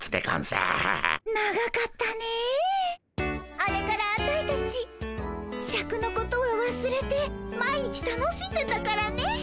あれからアタイたちシャクのことはわすれて毎日楽しんでたからね。